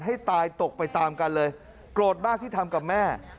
ให้ตายตกไปตามกันเลยโกรธมากที่ทำกับแม่